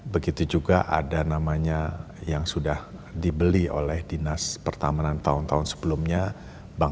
begitu juga ada namanya yang sudah dibeli oleh dinas pertamanan tahun tahun sebelumnya